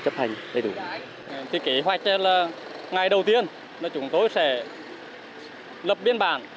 thì kế hoạch là ngày đầu tiên chúng tôi sẽ lập biên bản